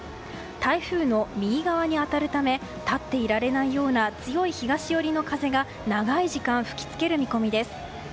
台風の右側に当たるため立っていられないような強い東寄りの風が長い時間吹き付ける見込みです。